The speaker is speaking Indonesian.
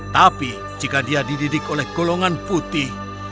tapi jika dia dididik oleh golongan putih